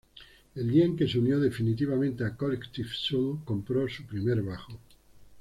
El día en que se unió definitivamente a Collective Soul, compró su primer bajo.